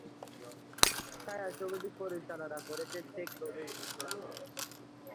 ছায়াছবিটি পরিচালনা করেছেন শেখ নজরুল ইসলাম।